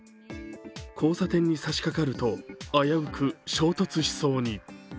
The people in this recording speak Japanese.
交差点に差しかかると危うく衝突しそうに。